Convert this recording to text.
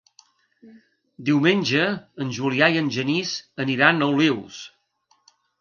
Diumenge en Julià i en Genís aniran a Olius.